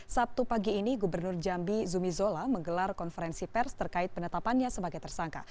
sabtu pagi ini gubernur jambi zumi zola menggelar konferensi pers terkait penetapannya sebagai tersangka